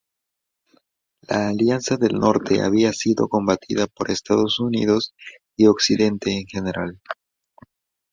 La Alianza del Norte había sido combatida por Estados Unidos y Occidente en general.